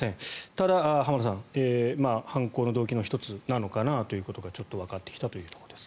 ただ、浜田さん、犯行の動機の１つなのかなということがちょっとわかってきたということです。